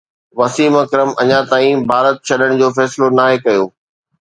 وسيم اڪرم اڃا تائين ڀارت ڇڏڻ جو فيصلو ناهي ڪيو